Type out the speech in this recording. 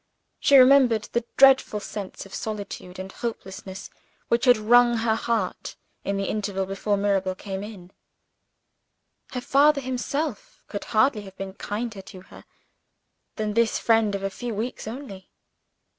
She remembered the dreadful sense of solitude and helplessness which had wrung her heart, in the interval before Mirabel came in. Her father himself could hardly have been kinder to her than this friend of a few weeks only.